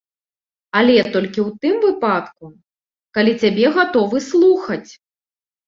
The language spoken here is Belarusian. Але толькі ў тым выпадку, калі цябе гатовы слухаць.